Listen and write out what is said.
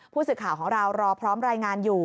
ผู้สื่อข่าวของเรารอพร้อมรายงานอยู่